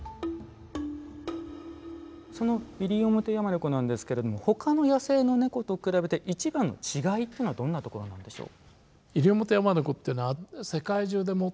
そのイリオモテヤマネコなんですけれども他の野生のネコと比べて一番の違いっていうのはどんなところなんでしょう？